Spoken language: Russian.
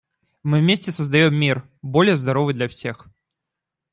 Мы вместе создаем мир, более здоровый для всех.